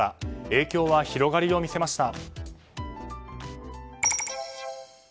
影響は広がりを見せました。